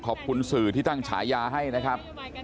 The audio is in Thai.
ขอบคุณสื่อที่ตั้งฉายาให้นะครับ